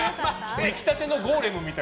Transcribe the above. できたてのゴーレムみたい。